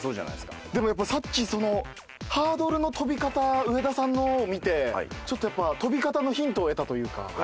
でもさっきハードルの跳び方上田さんのを見てちょっとやっぱ跳び方のヒントを得たというか。